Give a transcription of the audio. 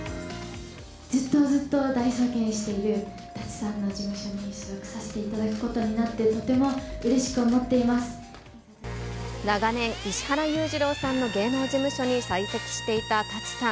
ずっとずっと大尊敬している舘さんの事務所に所属させていただくことになって、とてもうれし長年、石原裕次郎さんの芸能事務所に在籍していた舘さん。